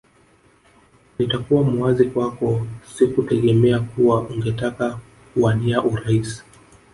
Nitakuwa muwazi kwako sikutegemea kuwa ungetaka kuwania urais